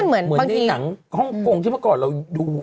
เหมือนบางทีหนังฮ่องกงที่เมื่อก่อนเราดู